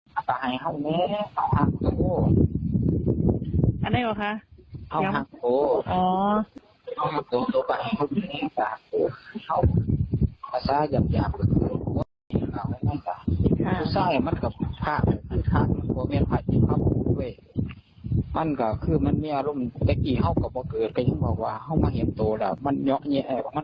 การที่เขาวนหลาบนะว่ามีถึงขั้นหนักเศรษฐีส่วนไหนอย่างนั้น